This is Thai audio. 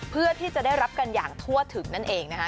เพื่อที่จะได้รับกันอย่างทั่วถึงนั่นเองนะคะ